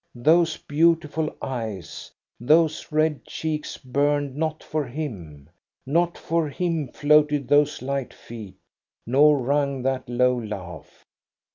Those beautiful eyes, those red cheeks burned not for him. Not for him floated those light feet, nor rung that low laugh.